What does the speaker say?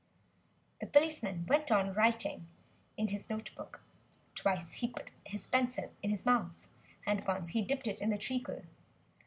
The policeman went on writing in his notebook; twice he put his pencil in his mouth, and once he dipped it in the treacle.